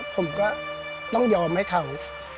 ผมก็ต้องยอมให้เขา